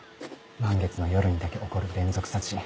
満月の夜にだけ起こる連続殺人。